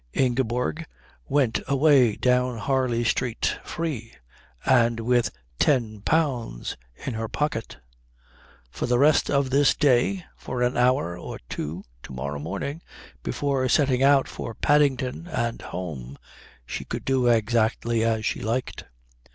Ingeborg went away down Harley Street free, and with ten pounds in her pocket. For the rest of this one day, for an hour or two to morrow morning before setting out for Paddington and home, she could do exactly as she liked.